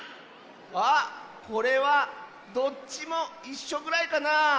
あっこれはどっちもいっしょぐらいかなあ。